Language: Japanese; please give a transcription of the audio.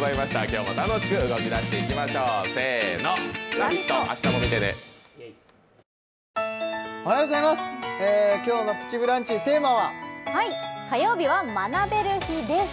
今日の「プチブランチ」テーマは火曜日は学べる日です